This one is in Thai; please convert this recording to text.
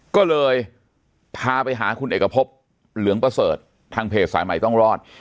ก็เลยพาไปหาคุณเอกพบเหลืองประเสริฐทางเพจสายใหม่ต้องรอด